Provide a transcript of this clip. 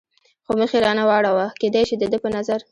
خو مخ یې را نه واړاوه، کېدای شي د ده په نظر.